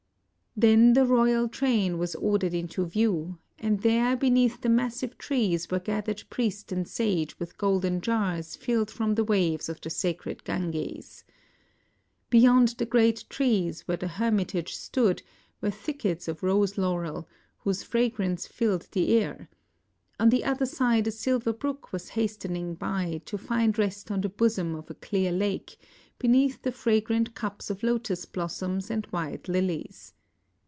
Then the royal train was ordered into view, and there beneath the massive trees were gathered priest and sage with golden jars filled from the waves of the sacred Ganges. Beyond the great trees where the hermitage stood were thickets of rose laurel, whose fragrance filled the air ; on the other side a silver brook was hastening by to find rest on the bosom of a clear lake, beneath the fra grant cups of lotus blossoms and white Ulies.